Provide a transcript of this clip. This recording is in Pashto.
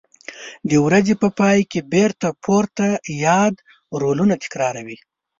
د ورځې په پای کې بېرته پورته یاد رولونه تکراروي.